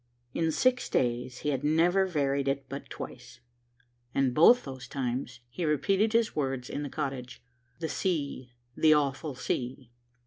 In six days he had never varied it but twice, and both those times he repeated his words in the cottage, "The sea, the awful sea."